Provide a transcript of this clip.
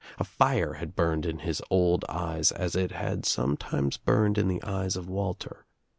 A fire had burned In , his old eyes as it had sometimes burned in the eyes of Walter.